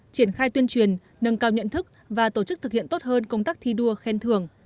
triển khai tuyên truyền nâng cao nhận thức và tổ chức thực hiện tốt hơn công tác thi đua khen thưởng